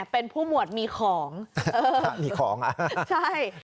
เป็นผู้หมวดมีของเออใช่